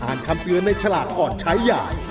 คำเตือนในฉลากก่อนใช้ใหญ่